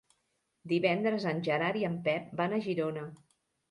Divendres en Gerard i en Pep van a Girona.